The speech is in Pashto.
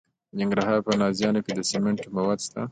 د ننګرهار په نازیانو کې د سمنټو مواد شته.